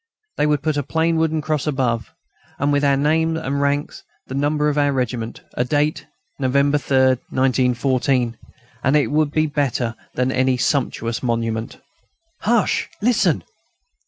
They would put a plain wooden cross above, with our names and ranks, the number of our regiment, a date: "November 3, 1914." And it would be better than any sumptuous monument. "Hush! Listen!"